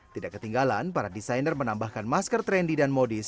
tidak ketinggalan para desainer menambahkan masker trendy dan modis